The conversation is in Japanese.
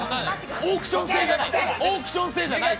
オークション制じゃない。